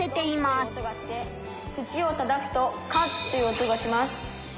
「ふちをたたくと『カッ』という音がします」。